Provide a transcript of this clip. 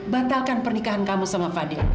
batalkan pernikahan kamu sama fadli